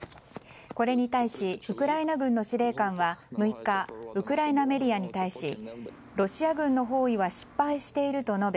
これに対しウクライナ軍の司令官は６日、ウクライナメディアに対しロシア軍の包囲は失敗していると述べ